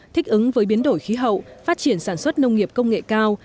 thích ứng với biến đổi khí hậu phát triển sản xuất nông nghiệp công nghệ cao